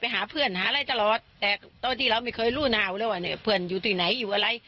หาเพื่อนหาอะไรตลอดแต่ตอนที่เราไม่เคยรู้หนาวแล้วว่าเนี่ยเพื่อนอยู่ที่ไหนอยู่อะไร